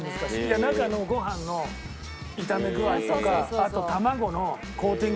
中のご飯の炒め具合とかあと卵のコーティングの仕方とか。